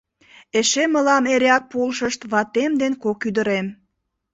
Эше мылам эреак полшышт ватем ден кок ӱдырем.